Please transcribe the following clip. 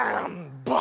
バー！